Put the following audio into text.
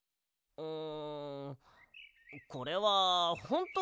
うん。